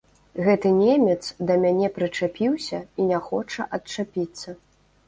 Гэты немец да мяне прычапіўся і не хоча адчапіцца.